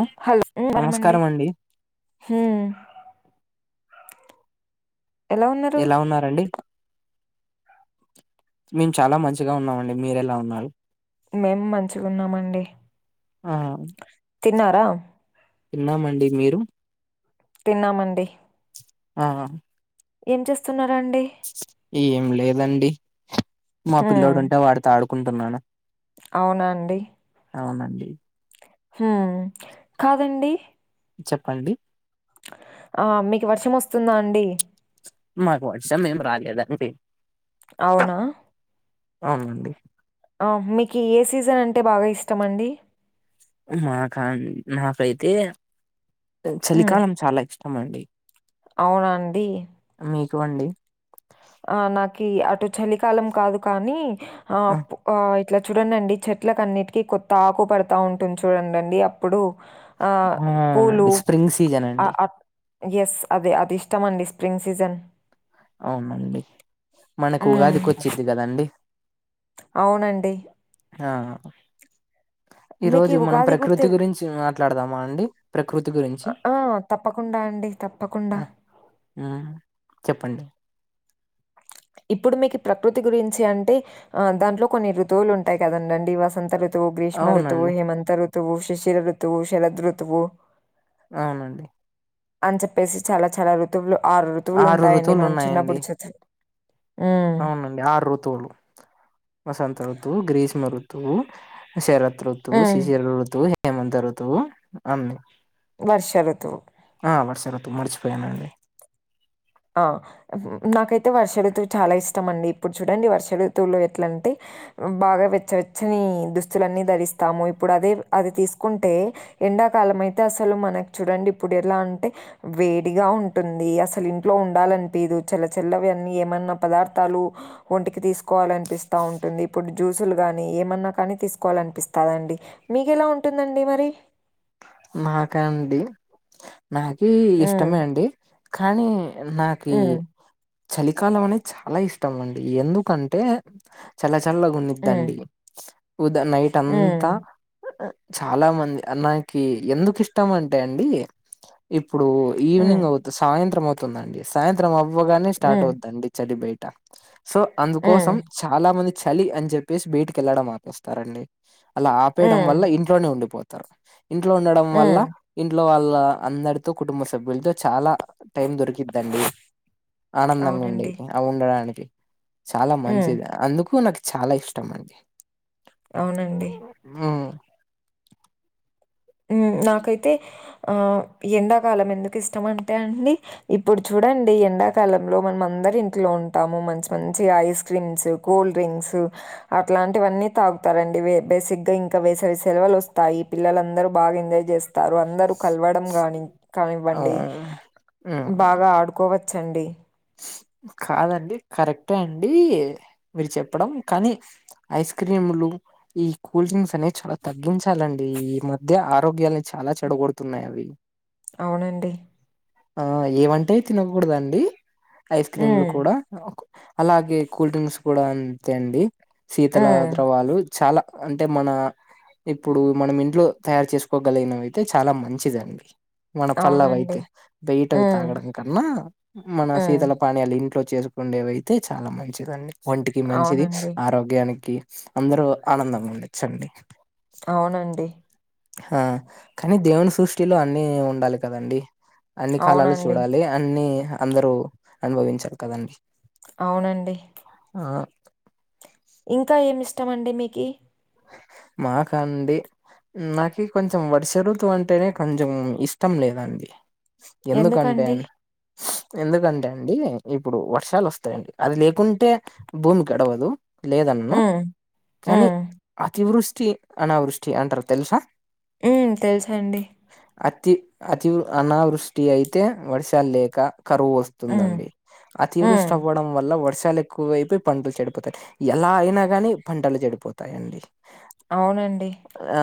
ఆ హలో నమస్కారం అండి ఎలా ఉన్నారండీ మేము చాలా మంచిగా ఉన్నామండి మీర ఎలా ఉన్నారు మేము మంచిగా ఉన్నామండి ఆహా తిన్నారా తిన్నామండి మీరు తిన్నామండి ఆహా ఏం చేస్తున్నారండి ఏం లేదండి మా పిల్లోడు హ్మ్ ఉంటే వాడిత ఆడుకుంటున్నాను అవునండి అవునండి హమ్ కాదండి చెప్పండి ఆ మీకు వర్షం వస్తుందా అండి మాక్ వర్షం ఏం రాలేదు అండి అవునా అవునండి ఆ మీకు ఏ సీజన్ అంటే బాగా ఇష్టం అండి నాక అండి నాకైతే హ్మ్ చలికాలం చాలా ఇష్టం అండి అవునా అండి మీకు అండి ఆ నాకి అటు చలికాలం కాదు కానీ ఆప్ ఆ ఇట్లా చూడండండి చెట్లలకు అన్నిటికీ కొత్త ఆకు పడతా ఉంటుంది చూడండండి ఇప్పుడు ఆ పూలు అవునండి స్ప్రింగ్ సీజన్ ఆ అండి అ ఎస్ అదే అది ఇష్టమండి స్ప్రింగ్ సీజన్ అవునండి మనకు హ్మ్. ఉగాదికి వచ్చిద్ది కదండి అవునండి ఆ ఈ మీకీ రోజు మనం ఉగాది కూడా ప్రకృతి తెల్ గురించి మాట్లాడదామా అండి ప్రకృతి గురించి ఆ! తప్పకుండా అండి తప్పకుండా ఊ చెప్పండి ఇప్పుడు మీకు ప్రకృతి గురించి అంటే ఆ దాంట్లో కొన్ని ఋతువులు ఉంటాయి కదండండి వసంత ఋతు ఋతువు గ్రీష్మ ఋతువు, అవునండి హేమంత ఋతువు, శిశిర ఋతువు, శరద్ ఋతువు. అవునండి అని చెప్పేసి చాలా చాలా ఋతువులు ఆరు ఋతువులు ఆరు ఉంటాయండి ఋతువులు మనం ఉన్నాయండి చిన్నప్పుడు చచ అవునండి ఆరు ఋతువులు వసంత ఋతువు గ్రీష్మ ఋతువు శరత్ ఋతువు, హ్మ్. శిశిర ఋతువు, హేమంత్ ఋతువు, అన్ని వర్ష ఋతువు ఆ వర్సఋతువు మర్చిపోయాను అండి ఆ నాకైతే వర్ష ఋతువు చాలా ఇష్టం అండి ఇప్పుడు చూడండి వర్ష ఋతువులో ఎట్లాంటే బాగా వెచ్చవచ్చని దుస్తులన్నీ ధరిస్తాము ఇప్పుడు అదే అది తీసుకుంటే ఎండాకాలం అయితే అసలు మనకు చూడండి ఇప్పుడు ఎలా అంటే వేడిగా ఉంటుంది అసలు ఇ లో ఉండాలనిపీదు చల్లచల్లవన్నీ ఏమన్నా పదార్థాలు ఒంటికి తీసుకోవాలనిపిస్తూ ఉంటుంది ఇప్పుడు జ్యూసులు కానీ ఏమన్నా కానీ తీసుకోవాలని పిస్తాదండి మీకేలా ఉంటుందండి మరి నాకండి నాకి హ్మ్. ఇష్టమే అండి కానీ నాకు కీ హ్మ్. చలికాలం అనేది చాలా ఇష్టం అండి ఎందుకంటే చల్ల చల్ హ్మ్. గున్నిద్దండి ఉద నైట్ హ్మ్. అంతా ఉఊ చాలామంది అమ్మాయికి ఎందుకు ఇష్టం అంటే అండి ఇప్పుడు హ్మ్. ఈవినింగ్ అవుద్ది సాయంత్రం అవుతుందండి సాయంత్రం అవ్వగానే స్టార్ట్ హ్మ్. అవుద్దండి చెలి బయట సో హ్మ్. అందుకోసం హ్మ్. చాలా మంది చలి అని చెప్పేసి బైటికెళ్ళడం ఆపేస్తారండి అలా ఆపేయడం హ్మ్. వల్ల ఇంట్లోనే ఉండిపోతారు ఇంట్లో ఉండడం వల్ల హ్మ్. ఇంట్లో వాళ్ళ అందరితో కుటుంబ సభ్యులతో చాలా టైం దొరికిద్దండి ఆనందంగా అవునండి. ఉండేకీ అవి ఉండడానికి చాలా హ్మ్. మంచిది అందుకు నాకు చాలా ఇష్టం అండి అవునండి ఊ ఉమ్ నాకైతే ఆ ఎండాకాలం ఎందుకు ఇష్టం అంటే అండి ఇప్పుడు చూడండి ఎండాకాలంలో మనం అందరి ఇంట్లో ఉంటాము మంచి మంచి ఐస్ క్రీమ్స్ కూల్డ్రింక్స్సు అట్లాంటివన్నీ తాగుతారండి బేసిక్ గా ఇంకా వేసవి సెలవులు వస్తాయి పిల్లలందరూ బాగ్ ఎంజాయ్ జేస్ తారు అందరూ కలవడం గాని ఆ కానివ్వండి హ్మ్ బాగా ఆడుకోవచ్ ఛ్ండి కాదండి కరెక్టే అండి మీరు చెప్పడం కానీ ఐస్ క్రీములు ఈ కూల్ డ్రింక్స్ అనేవి చాలా తగ్గించాలండి ఈ మధ్య ఆరోగ్యాల్ని చాలా చెడగొడుతున్నాయవి అనాడిబుల్ అవునండి ఆ ఏమంటే తినకూడదండి ఐస్ క్రీమ్లు హ్మ్. కూడా అలాగే కూల్ డ్రింక్స్ కూడా అంతే అండి శీతల హ్మ్. ద్రవాలు చాలా అంటే మన ఇప్పుడు మనం ఇంట్లో తయారు చేసుకోగలిగినవయితే చాలా మంచిదండి మన అవునండి. పల్లవయితే బైటవి హ్మ్. తాగడం కన్నా మన హ్మ్. శీతల పానీయాలు ఇంట్లో చేసుకుండేవయితే చాలా మంచిదండి ఒంటికి మంచిది అవునండి. ఆరోగ్యానికి అందరు ఆనందంగుండచ్చండి అవునండి ఆ కానీ దేవుని సృష్టిలో అన్ని ఉండాలి కదండి అన్ని కాలాలు అవునండి. చూడాలి అన్ని అందరూ అనుభవించారు కదండి అవునండి ఆ ఇంకా ఏమిష్టమండి మీకీ మకాండి నాకీ కొంచెం వర్ష రఋతు అంటేనే కొంచెం ఇష్టం లేదండి ఎందుకండి? ఎందుకంటేన్ ఎందుకంటే అండి ఇప్పుడు వర్షాలోస్తాయండి అది లేకుంటే భూమి గడవదు లేదన్ను హ్మ్. కానీ హ్మ్. అతివృష్టి అనావృష్టి అంటారు తెలుసా ఊ తెల్ సండి అతి అతిృ అనావృష్టి అయితే వర్షాల్ లేక కరువు వస్ హ్మ్. తుందండి హ్మ్. అతివృష్ణం అవ్వడం వల్ల వర్షాలు ఎక్కువ అయిపోయి పంటలు చెడిపోతాయి ఎలా అయినా గాని పంటలు చెడిపోతాయండి అవునండి ఆ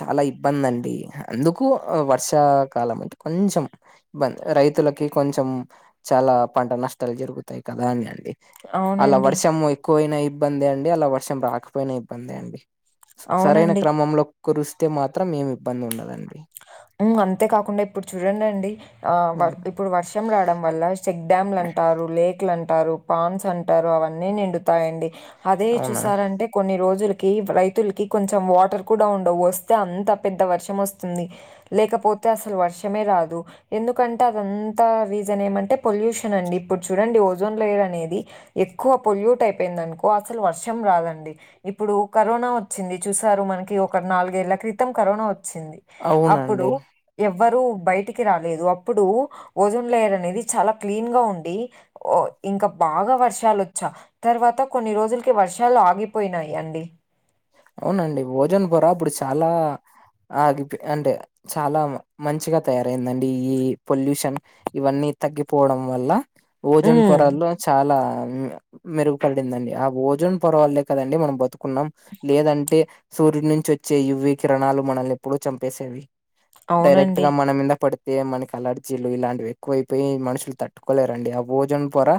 చాలా ఇబ్బంది అండి అందుకు వర్షాకాలం అంటే కొంచెం బ రైతులకి కొంచెం చాలా పంట నష్టాలు జరుగుతాయి కదా అని అండి అలా అవునండి. వర్షము ఎక్కువయినా ఇబ్బంది అండి అలా వర్షం రాకపోయినా ఇబ్బంది అండి సరైన అవునండి. క్రమంలో కురిస్తే మాత్రం ఏమి ఇబ్బంది ఉండదండి మ్మ్ అంతే కాకుండా ఇప్పుడు చూడండండి ఆ హ్మ్. ఇప్పుడు వర్షం రావడం వల్ల చెక్ డ్యామ్లు అంటారు లేక్లు అంటారు పాండ్స్ అంటారు అవన్నీ నిండు తాయండి అదే అవునండి చూసారంటే కొన్ని రోజులకి రైతులకి కొంచెం వాటర్ కూడా ఉండవు వస్తే అంత పెద్ద వర్షం వస్ స్తుంది లేకపోతే అసలు వర్షమే రాదు ఎందుకంటే అదంతా రీజన్ ఏమంటే పొల్యూషన్ అండి ఇప్పుడు చూడండి ఓజోన్ లేయర్ అనేది ఎక్కువ పొల్యూట్ అయిపోయింది అనుకో అసలు వర్షం రాదండి ఇప్పుడు కరోనా వచ్చింది చూసారు మనకి ఒక నాలుగేళ్ల క్రితం కరోనా వచ్చింది అప్పుడు అవునండి ఎవ్వరూ బయటికి రాలేదు అప్పుడు ఓజోన్ లేయర్ అనేది చాలా క్లీన్ గా ఉండి ఓ ఇంకా బాగా వర్షాలు వచ్చా తర్వాత కొన్ని రోజులకి వర్షాలు ఆగిపోయినాయి అండి అవునండి ఓజోన్ పొర అప్పుడు చాలా ఆ గి అంటే చాలా మంచిగా తయారైందండి ఈ పొల్యూషన్ ఇవన్నీ తగ్గిపోవడం వల్ల ఓజన్ హ్మ్. పొరల్లో చాలా మెరుగుపడిందండి ఆ ఓజోన్ పొరవలే కదండి మనం బతుకున్నాం లేదంటే సూర్యుడి నుంచి వచ్చే ఇవి కిరణాలు మనల్ని ఎప్పుడూ చంపేసేవి డైరెక్ట్ అవునండి. గా మన మీంద పడు తే మనకి అలర్జీలు ఇలాంటివి ఎక్కువైపోయి మనుషులు తట్టుకోలేరండి ఆ ఓజోన్ పొర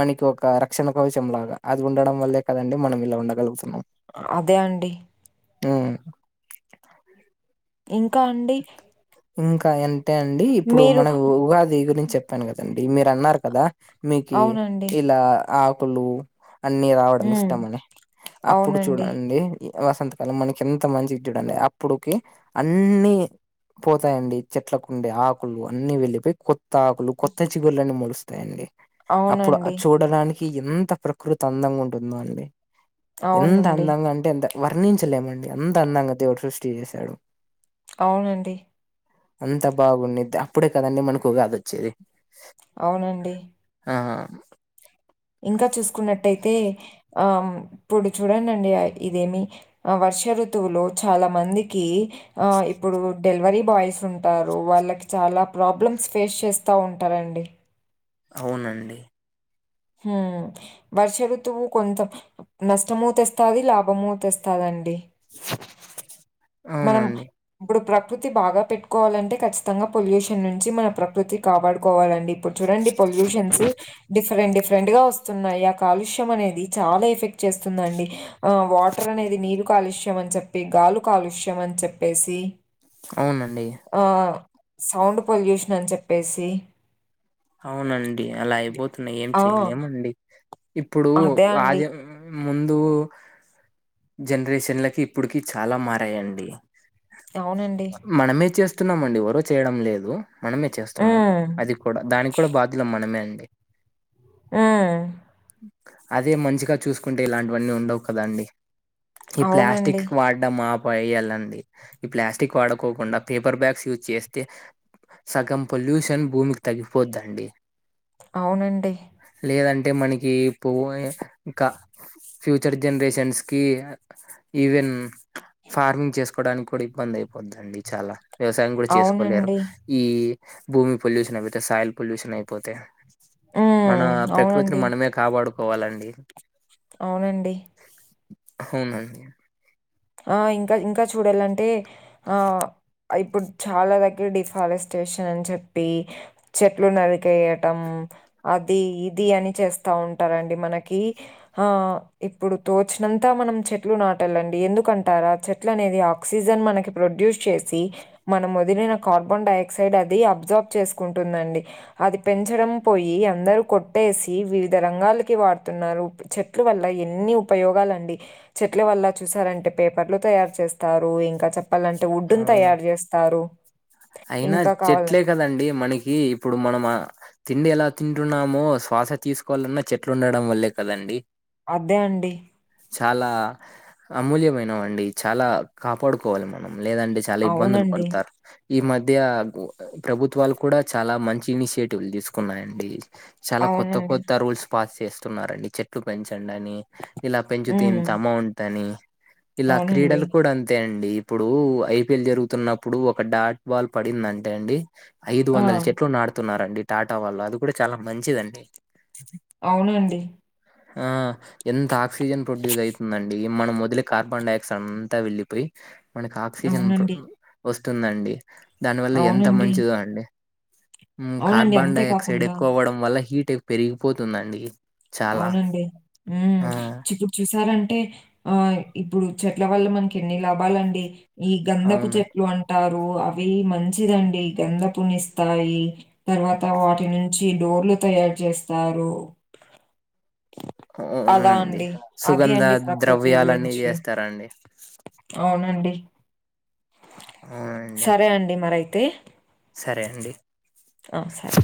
మనకి ఒక రక్షణ కవచం లాగా అది ఉండడం వల్లే కదండి మనం ఇలా ఉండగలుగుతున్నాం అదే అండి మ్మ్ ఇంకా అండి ఇంకా ఇంతే అండి ఇప్పుడు మీరు మనకు ఉగాది గురించి చెప్పాను కదండి మీరు అన్నారు కదా మీకీ అవునండి. ఇలా ఆకులు అన్ని రావడం హ్మ్. ఇష్టం అని అప్పుడు అవునండి. చూడండి వసంతకాలం మనకి ఎంత మంచి ది చూడండి అప్పుడుకి అన్ని పోతాయండి చెట్లకుండే ఆకులు అన్ని వెళ్ళిపోయి కొత్త ఆకులు కొత్త చిగుళ్లన్నీ మొలుస్తాయండి అప్పుడు అవునండి. చూడడానికి ఎంత ప్రకృతి అందంగా ఉంటుందో అండి ఎంత అవునండి. అందంగా అంటే ఎంత వర్ణించలేమండి అంత అందంగా దేవుడు సృష్టి చేశాడు అవునండి అంత బాగుండిది అప్పుడే కదండి మనకు ఉగాదొచ్చేది అవునండి ఆ ఇంకా చూసుకున్నట్టయితే ఆ ఇప్పుడు చూడండండి ఇదేమి ఆ వర్ష ఋతువులో చాలా మందికి ఆ ఇప్పుడు డెలివరీ బాయ్స్ ఉంటారు వాళ్ళకి చాలా ప్రాబ్లమ్స్ ఫేస్ చేస్తా ఉంటారండి అవునండి హ్మ్ వర్ష ఋతువు కొంత నష్టము తెస్తాది, లాభము తెస్తాదండి మనం అవునండి ఇప్పుడు ప్రకృతి బాగా పెట్టుకోవాలంటే ఖచ్చితంగా పొల్యూషన్ నుంచి మన ప్రకృతి కాపాడుకోవాలండి. ఇప్పుడు చూడండి పొల్యూషన్స్ డిఫరెంట్ డిఫరెంట్ గా వస్తున్నాయి. ఆ కాలుష్యం అనేది చాలా ఎఫె చేస్తుందిండి వాటర్ అనేది నీరు కాలుష్యం అని చెప్పి, గాలు కాలుష్యం అని చెప్పేసి అవునండి హా సౌండ్ పొల్యూషన్ అని చెప్పేసి అవునండి అలా అయిపోతున్నాయి ఏం ఆ! చెయలేమండి ఇప్పుడు అదే అండి. ఆదమ్ ముందు జనరేషన్లకి, ఇప్పుడుకి చాలా మారాయండి. అవునండి మనమే చేస్తున్నామండి ఎవరో చేయడం లేదు. మనమే చేస్తున్నాం హ్మ్. అది కూడా దానికి కూడా బాధ్యలు మనమే అండి. ఆ అదే మంచిగా చూసుకుంటే ఇలాంటివన్నీ ఉండవు కదాండి. ఈ ప్లాస్టిక్ అవునండి. వాడడం మాపేయలండి ఈ ప్లాస్టిక్ వాడ కోకుండా పేపర్ బ్యాగ్స్ యూజ్ చేస్తే సగం పొల్యూషన్ భూమికి తగ్గిపోద్దండి. అవునండి లేదంటే మనకి ఇప్పు ఇంకా పోయే క ఫ్యూచర్ జనరేషన్స్ కి ఈవెన్ ఫార్మింగ్ చేసుకోవడానికి కూడా ఇబ్బంది అయిపోదండి చాలా వ్యవసాయం కూడా చేసుకోలేరు అవునండి. ఈ భూమి పొల్యూషన్ అయిపోతే సాయిల్ పొల్యూషన్ అయిపోతే మన హ్మ్. ప్రకృతిని అవునండి. మనమే కాపాడుకోవాలండి. అవునండి అవునండి ఆ ఇంకా ఇంకా చూడాలంటే ఆ ఆ ఇప్పుడు చాలా దగ్గర డిఫారెస్టేషన్ అని చెప్పి చెట్లు నరికేయటం అది ఇది అని చేస్తా ఉంటారండి మనకి ఆ ఇప్పుడు తోచినంతా మనం చెట్లు నాటాలండి ఎందు కుంటారా చెట్లు అనేది ఆక్సిజన్ మనకి ప్రొడ్యూస్ చేసి మనం వదిలిన కార్బన్ డైఆక్సైడ్ అది అబ్జార్బ్ చేసుకుంటుందండి. అది పెంచడం పోయి అందరు కొట్టేసి వివిధ రంగాలకి వాడుతున్నారు చెట్ చెట్ల వల్ల ఎన్ని ఉపయోగాలుండి చెట్ల వల్ల చూసారంటే పేపర్లు తయారు చేస్తారు. ఇంకా చెప్పాలంటే వుడ్ను అవును తయారు చేస్తారు. అయినా ఇంకా కావాల చెట్లే కదండి మనకి ఇప్పుడు మనం తిండి ఎలా తింటున్నామో శ్వాస తీసుకోవాలన్నా చెట్లు ఉండడం వల్లే కదండి. అదే అండి చాలా అమూల్యమైనవి అండి చాలా కాపాడుకోవాలి మనం లేదంటే చాలా ఇబ్బందులు అవునండి. పడతారు. ఈ మధ్య ప్రభుత్వాలు కూడా చాలా మంచి ఇనిషియేటివ్లు తీసుకున్నాయండి. చాలా కొత్త అవునండి. కొత్త రూల్స్ పాస్ చేస్తున్నారండి చెట్లు పెంచండి అని ఇలా పెంచితే హ్మ్. ఇంత అమౌంట్ అని ఇలా అవునండి. క్రీడలు కూ డ అంతే అండి ఇప్పుడు ఐపిఎల్ జరుగుతున్నప్పుడు ఒక డాట్ బాల్ పడింది అంటే అండి ఐదు ఆ! వందల చెట్లు నాటుతున్నారండి టాటా వాళ్ళు అది కూడా చాలా మంచిదండి అవునండి ఆ ఎంత ఆక్సిజన్ ప్రొడ్యూస్ అయితుందండి మనం వదిలే కార్బన్ డై ఆక్సైడ్ అంతా వెళ్లిపోయి మనకి ఆక్సిజన్ అవునండి. వస్తుందండి దానివల్ల ఎంత అవునండి. మంచిదో అండి ఉమ్మ్ అవునండి. కార్బన్ అంతే డై ఆక్సైడ్ కాకుండా ఎక్కువ అవ్వడం వల్ల హీట్ పెరిగిపోతుందండి చాలా అవునండి ఉమ్మ్ ఆ చు చూసారంటే ఆ ఇప్పుడు చెట్ల వల్ల మనకి ఎన్ని లాభాలండి ఈ గంధపు అవును చెట్లు అంటారు అవి మంచిదండి గంధపునిస్తాయి తర్వాత వాటి నుంచి డోర్లు తయారు చేస్తారు అలా అవునండి అండి. అది సుగంధ అండి ప్రకృతి ద్రవ్యాలన్ని గురించి. చేస్తారాండి అవునండి అవునండి సరే అండి మరి అయితే సరే అండి ఆ సరే